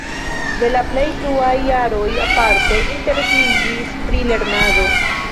De la plej fruaj jaroj aparte interesiĝis pri lernado.